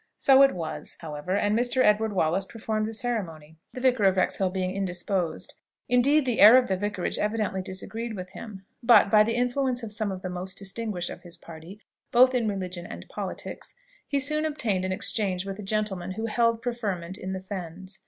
So it was, however; and Mr. Edward Wallace performed the ceremony, the Vicar of Wrexhill being indisposed. Indeed the air of the Vicarage evidently disagreed with him; but, by the influence of some of the most distinguished of his party, both in religion and politics, he soon obtained an exchange with a gentleman who held preferment in the Fens.